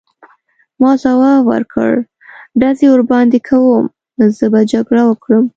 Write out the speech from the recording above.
ما ځواب ورکړ: ډزې ورباندې کوم، زه به جګړه وکړم.